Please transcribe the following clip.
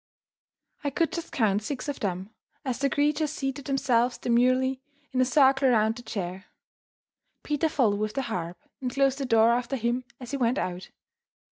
I could just count six of them, as the creatures seated themselves demurely in a circle round the chair. Peter followed with the harp, and closed the door after him as he went out.